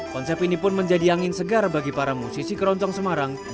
konsep ini pun menjadi angin segar bagi para musisi keroncong semarang